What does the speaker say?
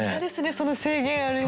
その制限あるやつ。